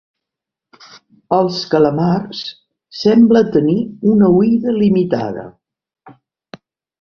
Els calamars semblen tenir una oïda limitada.